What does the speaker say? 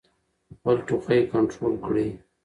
خپل ټوخی کنټرول کړئ.